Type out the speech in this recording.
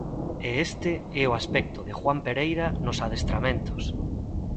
E este é o aspecto de Juan Pereira nos adestramentos.